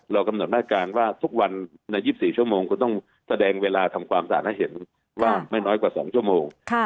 กำหนดมาตรการว่าทุกวันใน๒๔ชั่วโมงคุณต้องแสดงเวลาทำความสะอาดให้เห็นว่าไม่น้อยกว่า๒ชั่วโมง